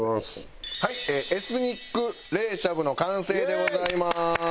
はいエスニック冷しゃぶの完成でございます。